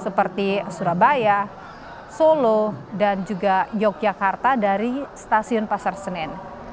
seperti surabaya solo dan juga yogyakarta dari stasiun pasar senen